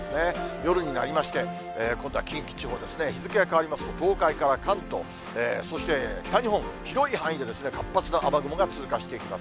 夜になりまして、今度は近畿地方ですね、日付が変わりますと、東海から関東、そして北日本、広い範囲で活発な雨雲が通過していきます。